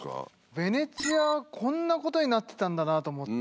ベネチアこんなことになってたんだなと思って。